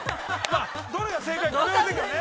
どれが正解が分かりませんけどね。